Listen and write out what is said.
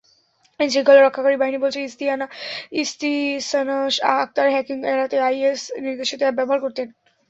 আইনশৃঙ্খলা রক্ষাকারী বাহিনী বলছে, ইসতিসনা আক্তার হ্যাকিং এড়াতে আইএস-নির্দেশিত অ্যাপ ব্যবহার করতেন।